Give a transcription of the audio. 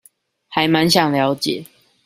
還滿想了解